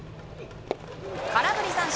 空振り三振。